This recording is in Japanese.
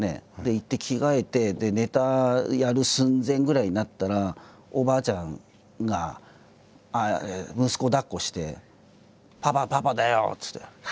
行って着替えてネタやる寸前ぐらいになったらおばあちゃんが息子をだっこして「パパ！パパだよ！」